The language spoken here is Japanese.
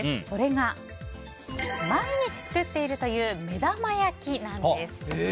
それが毎日作っているという目玉焼きなんです。